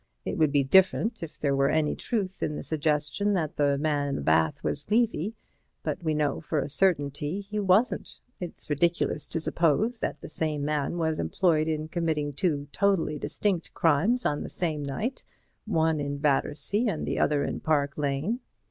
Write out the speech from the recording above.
It would be different if there were any truth in the suggestion that the man in the bath was Levy, but we know for a certainty he wasn't. It's ridiculous to suppose that the same man was employed in committing two totally distinct crimes on the same night, one in Battersea and the other in Park Lane."